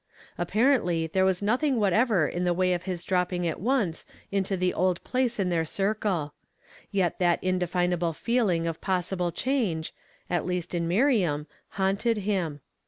Apparently there was nothing whatever in the way of his^lropping at once into his old place in their circle ; yet that in deliiiable feeling of possible change, at least in Miriam, haunted him.